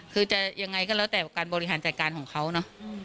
คือจะยังไงก็แล้วแต่การบริหารจัดการของเขาเนอะ